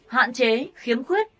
hạn chế khiếm khuyết